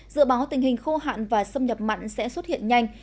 dự báo tình hình khô hạn và xâm nhập mặn sẽ xuất hiện nhanh